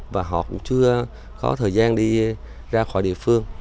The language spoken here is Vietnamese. và họ cũng chưa có thời gian đi ra khỏi địa phương